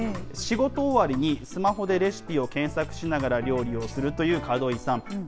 仕事終わりにスマホでレシピを検索しながら料理をするという門井さん。